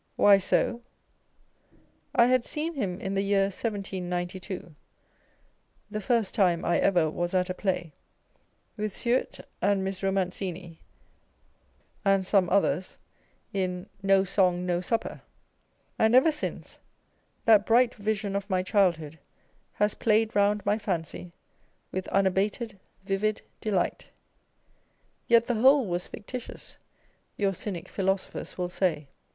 Why so? I had seen him in the year 1792 (the first time I ever was at a play), with Suett and Miss Eomanzini and some others, in No Song No Supper ; and ever since, that bright vision of my childhood has played round my fancy with unabated, vivid delight. Yet the whole was fictitious, your cynic philosophers will say.